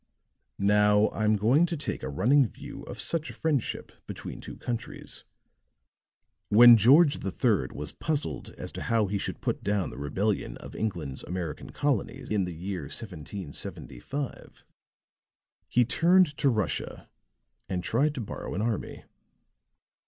"Now, I'm going to take a running view of such a friendship between two countries. When George III was puzzled as to how he should put down the rebellion of England's American colonies in the year 1775, he turned to Russia and tried to borrow an army.